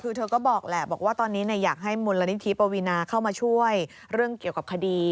คือเธอก็บอกแหละบอกว่าตอนนี้อยากให้มูลนิธิปวีนาเข้ามาช่วยเรื่องเกี่ยวกับคดี